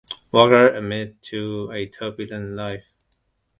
Walker admits to a turbulent life.